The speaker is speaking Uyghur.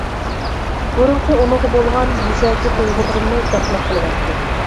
بۇرۇنقى ئۇنىڭغا بولغان يۈزەكى تۇيغۇلىرىمنى دەپنە قىلىۋەتتى.